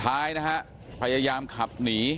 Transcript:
ตำรวจต้องไล่ตามกว่าจะรองรับเหตุได้